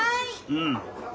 うん。